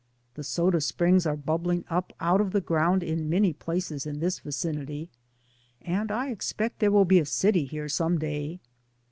The soda springs are bubbling up out of the ground in many places in this vicinity, and I expect there will be a city here some day.